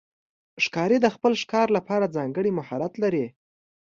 ښکاري د خپل ښکار لپاره ځانګړی مهارت لري.